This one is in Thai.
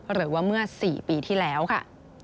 หรือว่าเมื่อ๔ปีที่แล้วค่ะ